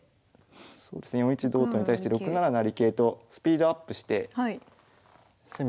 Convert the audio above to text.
そうですね４一同と金に対して６七成桂とスピードアップして攻めてきましたね。